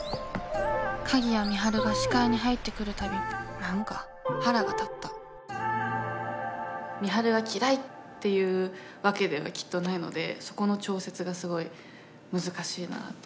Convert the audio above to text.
鍵谷美晴が視界に入ってくるたび何か腹が立った美晴が嫌いっていうわけではきっとないのでそこの調節がすごい難しいなと。